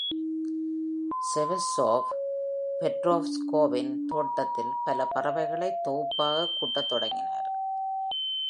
Severtsov பெட்ரோவ்ஸ்கோவின் தோட்டத்தில் பல பறவைகளைக் தொகுப்பாகக் கூட்டத் தொடங்கினார்.